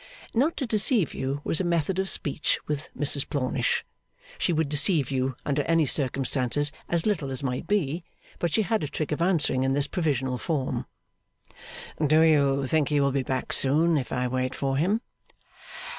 'Not to deceive you' was a method of speech with Mrs Plornish. She would deceive you, under any circumstances, as little as might be; but she had a trick of answering in this provisional form. 'Do you think he will be back soon, if I wait for him?